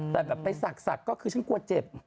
แต่แบบไปศักดิ์ก็คือฉันกลัวเจ็บ